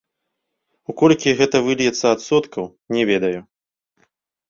У колькі гэта выльецца адсоткаў, не ведаю.